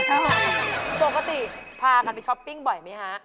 ปกติพากันไปช้อปปิ้งบ่อยไหมฮะ